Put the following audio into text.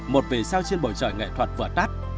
một vị sao trên bầu trời nghệ thuật vừa tắt